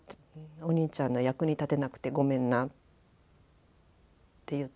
お兄ちゃんの役に立てなくてごめんな」って言って。